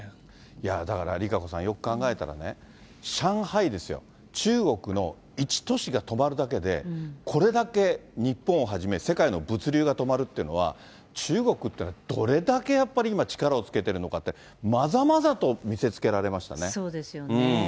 いや、だからＲＩＫＡＣＯさん、よく考えたらね、上海ですよ、中国の一都市が止まるだけで、これだけ、日本をはじめ世界の物流が止まるっていうのは、中国ってのはどれだけやっぱり今、力をつけてるのかって、まざまざそうですよね。